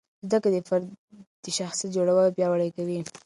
زده کړه د فرد شخصیت جوړوي او پیاوړی کوي.